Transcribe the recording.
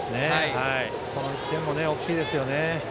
この１点、大きいですね。